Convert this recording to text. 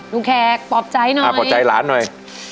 แขกปลอบใจหน่อยอ่าปลอบใจหลานหน่อย